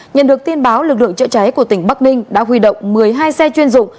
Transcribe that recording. nhận được tin báo lực lượng chữa cháy của tỉnh bắc ninh đã huy động một mươi hai xe chuyên dụng